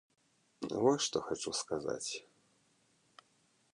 Вось што хачу сказаць.